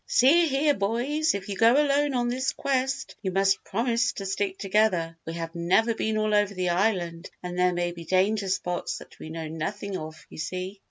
"See here, boys, if you go alone on this quest, you must promise to stick together. We have never been all over the island and there may be danger spots that we know nothing of, you see.